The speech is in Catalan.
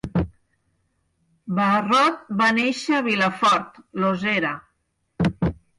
Barrot va nàixer a Vilafòrt, Losera.